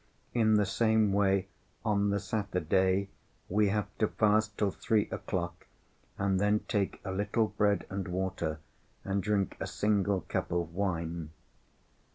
In the same way on the Saturday we have to fast till three o'clock, and then take a little bread and water and drink a single cup of wine.